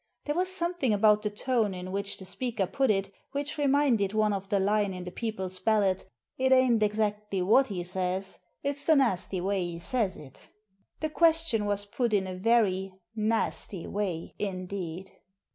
There was something about the tone in which the speaker put it which reminded one of the line in the people's ballad, " It ain't exactly what 'e sez, it's the nasty way 'e sez it" The question was put in a very "nasty way" indeed.